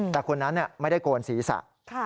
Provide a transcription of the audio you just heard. แต่คนนั้นไม่ได้โกนศีรษะ